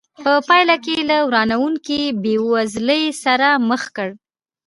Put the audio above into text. په پایله کې له ورانوونکې بېوزلۍ سره مخ کړ.